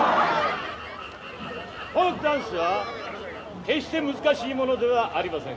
フォークダンスは決して難しいものではありません。